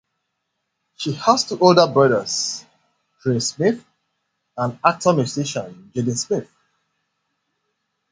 She has two older brothers, Trey Smith and actor-musician, Jaden Smith.